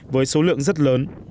với số lượng rất lớn